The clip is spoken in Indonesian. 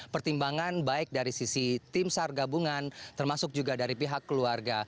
pertimbangan baik dari sisi tim sar gabungan termasuk juga dari pihak keluarga